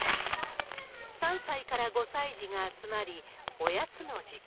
３歳から５歳児が集まり、おやつの時間。